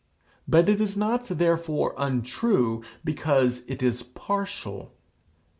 But it is not therefore untrue because it is partial.